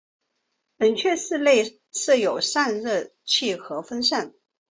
冷却室内设有散热器和风扇。